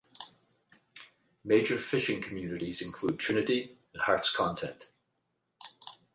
Major fishing communities include Trinity and Heart's Content.